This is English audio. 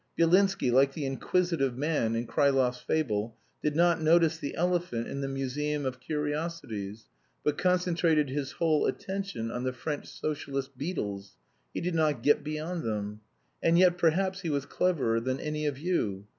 Byelinsky, like the Inquisitive Man in Krylov's fable, did not notice the elephant in the museum of curiosities, but concentrated his whole attention on the French Socialist beetles; he did not get beyond them. And yet perhaps he was cleverer than any of you.